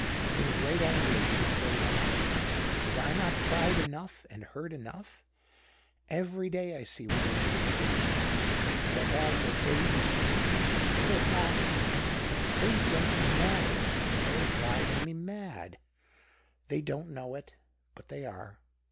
In great anguish she prayed on. " Was I not tried enough and hurt enough ? Every day I see women in the street that have their babies with them, and they're 96 THE OCTAVE OF CLAUDIUS. laughing. They don't know that they're driving me mad. They don't know it, but they are.